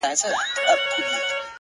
ستا د لپي په رڼو اوبو کي گراني ـ